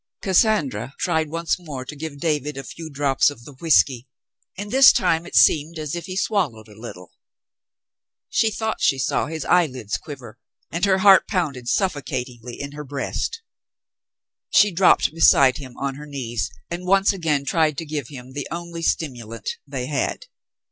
Cassandra tried once more to give David a few drops of the whiskey, and this time it seemed as if he swallowed a little. She thought she saw his eyelids quiver, and her heart pounded suffocatingly in her breast. She dropped beside him on her knees and once again tried to give him the only stimu lant they had.